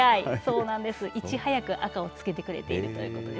いち早く赤をつけてくれてるということです。